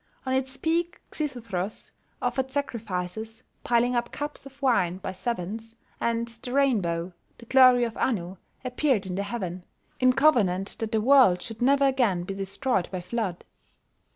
On its peak Xisuthros offered sacrifices, piling up cups of wine by sevens; and the rainbow, "the glory of Anu," appeared in the heaven, in covenant that the world should never again be destroyed by flood.